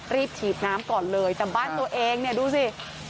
รีบฉีดน้ำก่อนเลยแต่บ้านตัวเองเนี่ยดูสิ